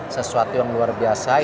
sesuatu yang luar biasa